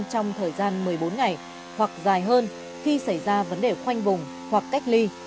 trong thời gian một mươi bốn ngày hoặc dài hơn khi xảy ra vấn đề khoanh vùng hoặc cách ly